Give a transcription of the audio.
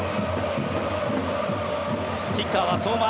キッカーは相馬。